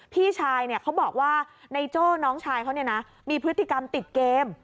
พี่ชายเขาบอกว่านายโจ้น้องชายเขามีพฤติกรรมติดเกม